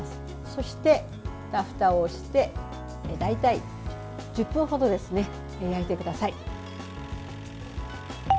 そして、ふたをして大体１０分ほど焼いてください。